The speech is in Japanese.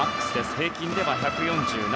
平均では１４７。